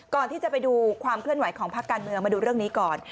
ไปดูความเคลื่อนไหวของพักการเมืองมาดูเรื่องนี้ก่อน